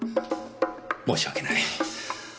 申し訳ない。